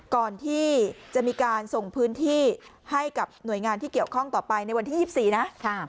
ก่อนที่จะมีการส่งพื้นที่ให้กับหน่วยงานที่เกี่ยวข้องต่อไปในวันที่๒๔นะ